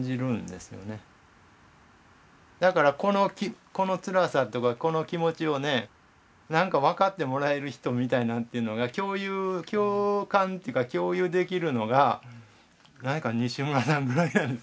だからこのこのつらさとかこの気持ちをねなんか分かってもらえる人みたいなんていうのが共有共感というか共有できるのが西村さんぐらいなんですよ。